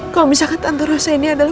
kalau misalkan tante rosa ini adalah